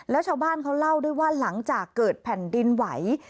แล้วชาวบ้านเขาเล่าด้วยว่าหลังจากเกิดแผ่นดินไหว